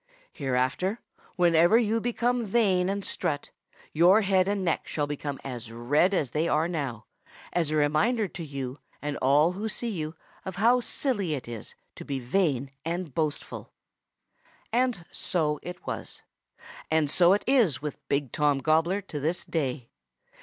Hereafter, whenever you become vain and strut, your head and neck shall become as red as they now are, as a reminder to you and all who see you of how silly it is to be vain and boastful.' "And so it was. And so it is with Big Tom Gobbler to this day.